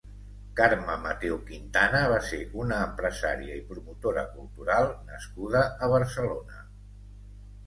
Carme Mateu Quintana va ser una empresària i promotora cultural nascuda a Barcelona.